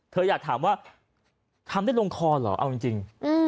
อยากถามว่าทำได้ลงคอเหรอเอาจริง